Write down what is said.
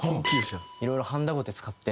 いろいろはんだごて使って。